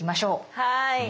はい。